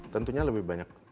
tentunya lebih banyak